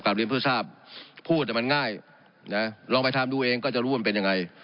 เรียนเพื่อทราบพูดมันง่ายนะลองไปทำดูเองก็จะรู้ว่ามันเป็นยังไง